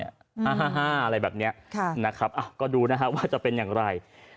อะไรแบบนี้ก็ดูนะครับว่าจะเป็นอย่างไร